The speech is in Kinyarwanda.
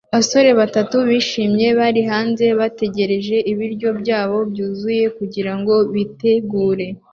Abasore batatu bishimye bari hanze bategereje ibiryo byabo byuzuye kugirango bitegure